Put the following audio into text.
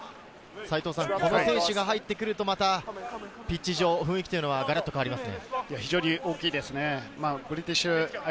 この選手が入ってくると、またピッチ上、雰囲気がガラッと変わりますね。